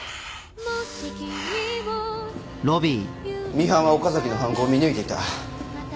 ミハンは岡崎の犯行を見抜いていた。